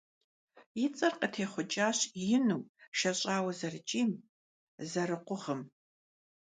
И цӀэр къытехъукӀащ ину, шэщӀауэ зэрыкӀийм, зэрыкъугъым.